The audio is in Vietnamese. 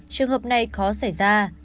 trường hợp này khó xảy ra